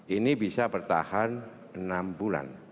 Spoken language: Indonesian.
ini bisa bertahan enam bulan